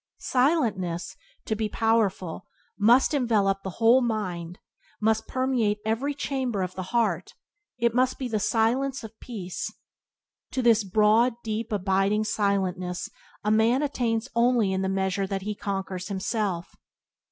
Silentness, to be powerful, must envelop the whole mind, must permeate every chamber of the heart; it must be the silence of peace. To this broad, deep, abiding silentness a man attains only in the measure that he conquers himself.